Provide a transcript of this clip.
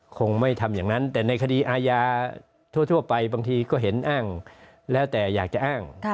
คงไม่ทำอย่างนั้นแต่ในคดีอาญาทั่วไปบางทีก็เห็นอ้างแล้วแต่อยากจะอ้าง